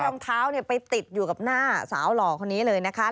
รองเท้าไปติดอยู่กับหน้าสาวหล่อคนนี้เลยนะคะ